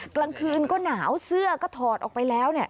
กลางคืนก็หนาวเสื้อก็ถอดออกไปแล้ว